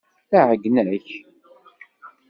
Iɛeyyen-ak.